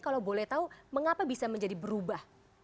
kalau boleh tahu mengapa bisa menjadi berubah